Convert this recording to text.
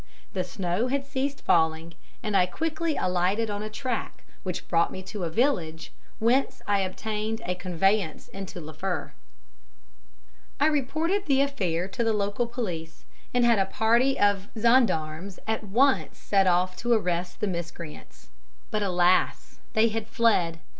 The snow had ceased falling, and I quickly alighted on a track, which brought me to a village, whence I obtained a conveyance into Liffre. "I reported the affair to the local police, and a party of gendarmes at once set off to arrest the miscreants. But, alas, they had fled.